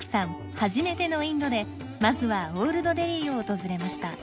初めてのインドでまずはオールドデリーを訪れました。